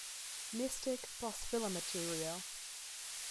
Mystic, plus filler material.